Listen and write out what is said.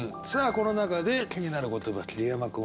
この中で気になる言葉桐山君はどこ？